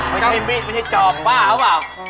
ไม่ใช่มีดไม่ใช่จอบบ้าหรือเปล่า